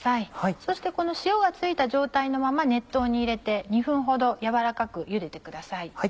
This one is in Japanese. そしてこの塩が付いた状態のまま熱湯に入れて２分ほど軟らかくゆでてください。